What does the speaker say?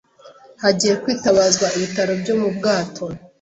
Hagiye kwitabazwa ibitaro byo mu bwato